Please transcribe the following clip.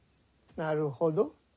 なるほど。